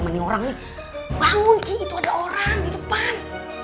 mana orang nih bangun eh itu ada orang di depan